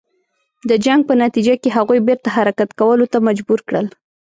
د جنګ په نتیجه کې هغوی بیرته حرکت کولو ته مجبور کړل.